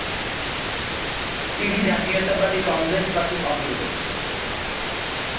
তিনি জাতীয়তাবাদী কংগ্রেস পার্টির অন্তর্ভুক্ত।